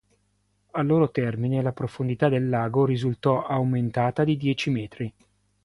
Al loro termine la profondità del lago risultò aumentata di dieci metri.